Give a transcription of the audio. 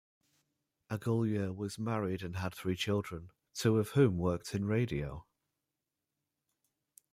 Aguglia was married and had three children, two of whom worked in radio.